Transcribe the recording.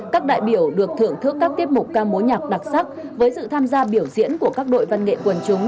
các đại biểu được thưởng thức các tiết mục ca mối nhạc đặc sắc với sự tham gia biểu diễn của các đội văn nghệ quần chúng